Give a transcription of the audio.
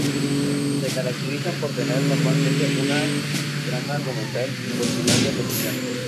Se caracterizan por tener normalmente una trama argumental y por su larga duración.